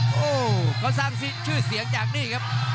โอ้โหเขาสร้างชื่อเสียงจากนี่ครับ